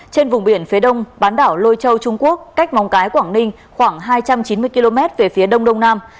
trên vùng biển phía đông bán đảo lôi châu trung quốc cách móng cái quảng ninh khoảng hai trăm chín mươi km về phía đông đông nam